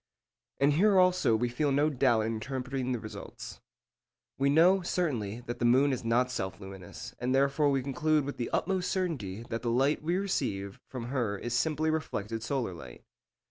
And here also we feel no doubt in interpreting the result. We know, certainly, that the moon is not self luminous, and therefore we conclude with the utmost certainty that the light we receive from her is simply reflected solar light.